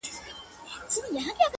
وېرېږم مينه مو له زړونو څخه وانه لوزي~